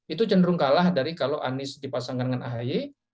itu cenderung kalah dari kalau anies dipasangkan dengan ahy